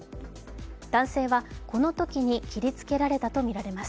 男性はこのときに切りつけられたとみられます。